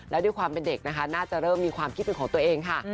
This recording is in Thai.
แล้วด้วยความเป็นเด็กนะคะน่าจะเริ่มมีความคิดเป็นของตัวเองค่ะ